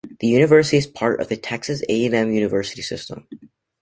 The university is part of the Texas A and M University System.